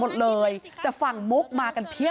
กลุ่มวัยรุ่นฝั่งพระแดง